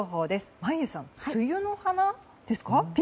眞家さん、梅雨の花ですか？